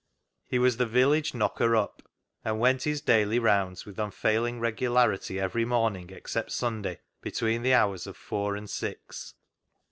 He was the village knocker up, and went his daily rounds with unfailing regularity every morning, except Sunday, between the hours of four and six.